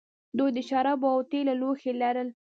دوی د شرابو او تیلو لوښي لرل